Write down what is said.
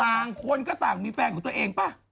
ต่างคนก็ต่างมีแฟนของตัวเองป่ะ